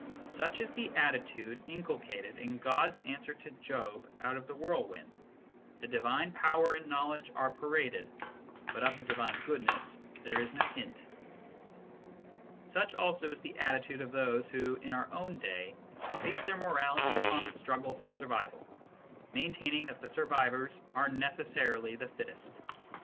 Such is the attitude inculcated in God s answer to Job out of the whirlwind : the divine power and knowledge are paraded, but of the divine goodness there is no hint. Such also is the attitude of those who, in our own day, base their morality upon the struggle for survival, main taining that the survivors are necessarily the fittest.